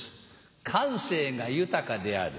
感性が豊かである。